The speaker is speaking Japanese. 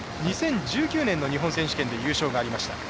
２０１９年の日本選手権で優勝がありました。